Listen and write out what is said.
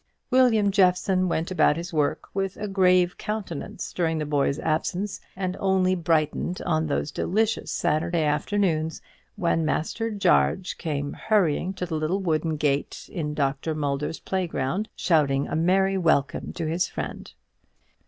William Jeffson went about his work with a grave countenance during the boy's absence, and only brightened on those delicious Saturday afternoons when Master Jarge came hurrying to the little wooden gate in Dr. Mulder's playground, shouting a merry welcome to his friend.